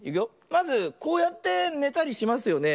まずこうやってねたりしますよね。